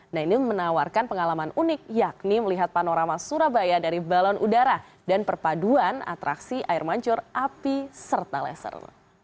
nah ini menawarkan pengalaman unik yakni melihat panorama surabaya dari balon udara dan perpaduan atraksi air mancur api serta laser